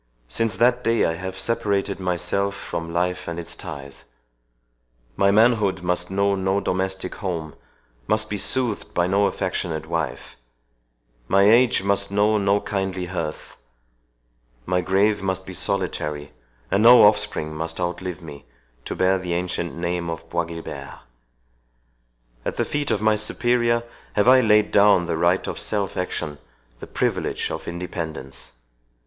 Since that day I have separated myself from life and its ties—My manhood must know no domestic home—must be soothed by no affectionate wife—My age must know no kindly hearth—My grave must be solitary, and no offspring must outlive me, to bear the ancient name of Bois Guilbert. At the feet of my Superior I have laid down the right of self action—the privilege of independence.